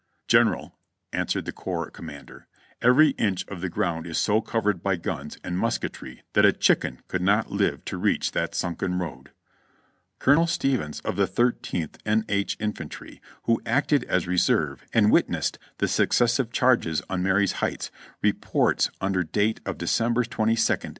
"General," answered the corps commander, "every inch of the ground is so covered by guns and musketr}^ that a chicken could not live to reach that sunken road." ("Battles and Leaders of the Civil War.") Colonel Stephens, of the 13th N. H. Infantry, who acted as re serve and witnessed the successive charges on Marye's Heights, reports under date of December 22nd.